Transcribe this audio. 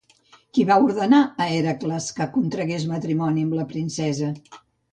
Qui va ordenar a Hèracles que contragués matrimoni amb la princesa?